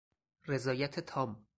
رضایت تام